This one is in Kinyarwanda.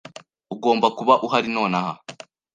Ugomba kuba uhari nonaha.